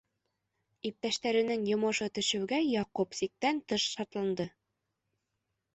Иптәштәренең йомошо төшөүгә Яҡуп сиктән тыш шатланды.